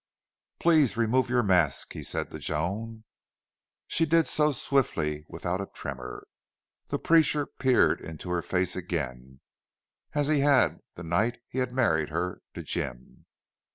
"Please remove your mask," he said to Joan. She did so, swiftly, without a tremor. The preacher peered into her face again, as he had upon the night he had married her to Jim.